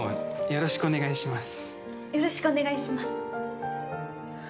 よろしくお願いします。